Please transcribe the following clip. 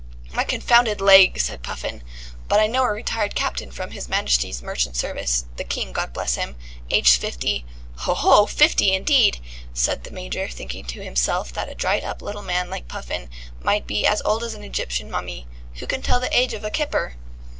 "My confounded leg!" said Puffin. "But I know a retired captain from His Majesty's merchant service the King, God bless him! aged fifty " "Ho! ho! Fifty, indeed!" said the Major, thinking to himself that a dried up little man like Puffin might be as old as an Egyptian mummy. Who can tell the age of a kipper?